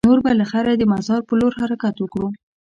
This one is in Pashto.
نور به له خیره د مزار په لور حرکت وکړو.